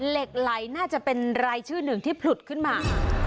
เหล็กไหลน่าจะเป็นรายชื่อหนึ่งที่ผลุดขึ้นมา